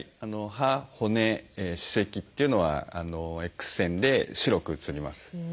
歯骨歯石っていうのはＸ線で白く写ります。